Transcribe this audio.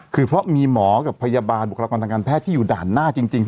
คือเพราะมีหมอกับพยาบาลบุคลากรทางการแพทย์ที่อยู่ด่านหน้าจริง